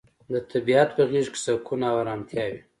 د طبیعت په غیږ کې سکون او ارامتیا وي.